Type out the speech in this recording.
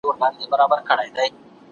اوسني څېړنې ذهني ميکانيزمونه څېړي.